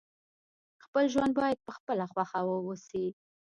خپل ژوند باید په خپله خوښه وسي.